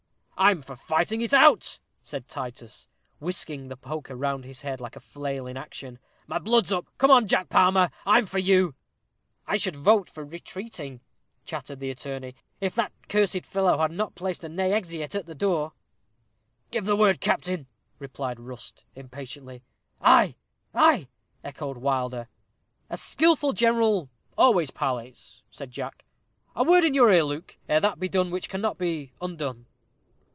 "I'm for fighting it out," said Titus, whisking the poker round his head like a flail in action. "My blood's up. Come on, Jack Palmer, I'm for you." "I should vote for retreating," chattered the attorney, "if that cursed fellow had not placed a ne exeat at the door." "Give the word, captain," cried Rust, impatiently. "Ay, ay," echoed Wilder. "A skilful general always parleys," said Jack. "A word in your ear, Luke, ere that be done which cannot be undone."